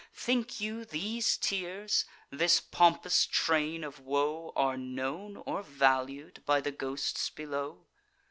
Think you these tears, this pompous train of woe, Are known or valued by the ghosts below?